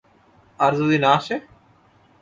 আর যদি না আসে?